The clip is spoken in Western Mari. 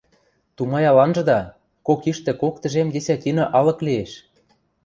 Тумаял анжыда, кок иштӹ кок тӹжем десятина алык лиэш.